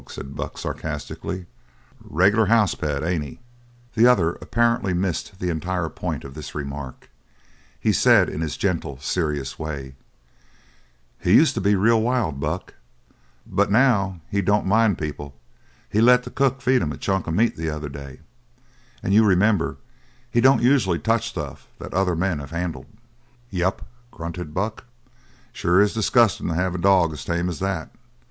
said Buck sarcastically. "Regular house pet, ain't he?" The other apparently missed the entire point of this remark. He said in his gentle, serious way: "He used to be real wild, Buck. But now he don't mind people. He let the cook feed him a chunk o' meat the other day; and you remember he don't usually touch stuff that other men have handled." "Yep," grunted Buck, "it's sure disgustin' to have a dog as tame as that.